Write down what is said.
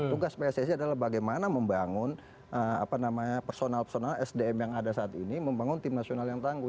tugas pssi adalah bagaimana membangun personal personal sdm yang ada saat ini membangun tim nasional yang tangguh